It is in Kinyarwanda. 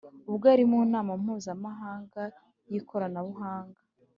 ubwo yari mu nama mpuzamahanga y’ikoranabuhanga